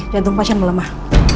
jantung pasien melemah